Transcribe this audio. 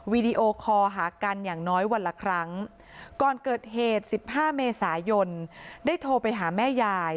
วีดีโอคอลหากันอย่างน้อยวันละครั้งก่อนเกิดเหตุ๑๕เมษายนได้โทรไปหาแม่ยาย